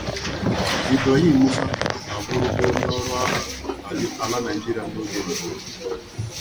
Ibrahim Musa ma bụrụkwa onye ọrụ agha ala Nigeria n'oge mbụ